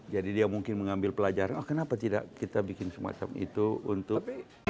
jadi dia mungkin mengambil pelajaran kenapa tidak kita bikin semacam itu untuk